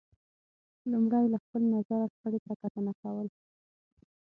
لمړی له خپل نظره شخړې ته کتنه کول